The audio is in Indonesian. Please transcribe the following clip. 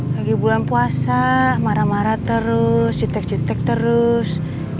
lagi bulan puasa marah marah terus jutek jutek terus